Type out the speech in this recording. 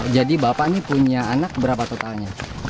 jadi bapak ini punya anak berapa totalnya